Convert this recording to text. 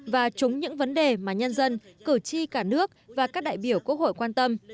và trúng những vấn đề mà nhân dân cử tri cả nước và các đại biểu quốc hội quan tâm